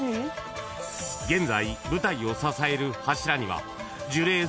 ［現在舞台を支える柱には］